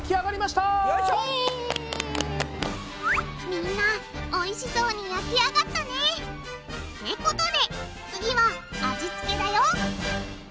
みんなおいしそうに焼き上がったね！ってことで次は味付けだよ！